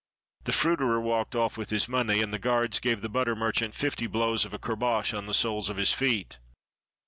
The fruiterer walked off with his money, and the guards gave the butter merchant fifty blows of a cour bash on the soles of his feet.